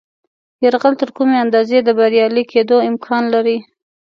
یرغل تر کومې اندازې د بریالي کېدلو امکان لري.